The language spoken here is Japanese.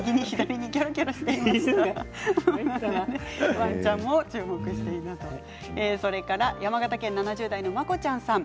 ワンちゃんも注目しています。